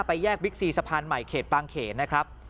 แยกบิ๊กซีสะพานใหม่เขตบางเขนนะครับ